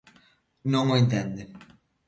Non o entende.